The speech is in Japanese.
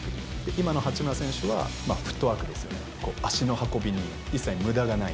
今の八村選手は、フットワークですよね、足の運びに一切、むだがない。